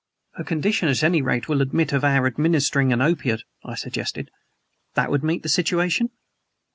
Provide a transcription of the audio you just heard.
"Her condition at any rate will admit of our administering an opiate," I suggested. "That would meet the situation?"